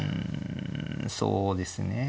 うんそうですね。